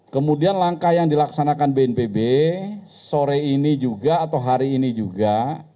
kemudian langkah yang dilaksanakan bnpb sore ini juga atau hari ini juga